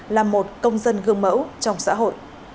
là một công dân gương mẫu trong xã hội